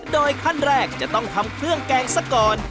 โดยขั้นแรกจะต้องทำเครื่องแกงซะก่อน